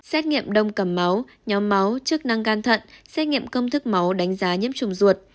xét nghiệm đông cầm máu nhóm máu chức năng gan thận xét nghiệm công thức máu đánh giá nhiễm trùng ruột